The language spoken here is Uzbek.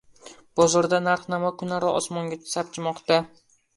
Bozorda narx-navo kunaro osmonga sapchimoqda.